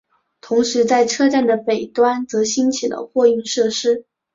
同时在车站的北端则兴起了货运设施。